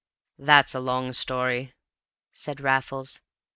that's a long story," said Raffles.